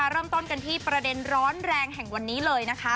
เริ่มต้นกันที่ประเด็นร้อนแรงแห่งวันนี้เลยนะคะ